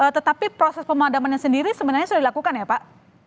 tetapi proses pemadamannya sendiri sebenarnya sudah dilakukan ya pak